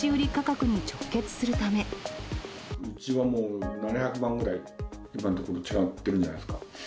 うちはもう７００万ぐらい、今のところ、違ってるんじゃないですか。